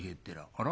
あら？